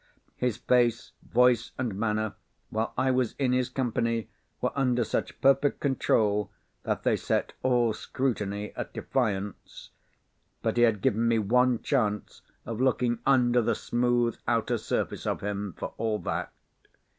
His face, voice, and manner—while I was in his company—were under such perfect control that they set all scrutiny at defiance. But he had given me one chance of looking under the smooth outer surface of him, for all that.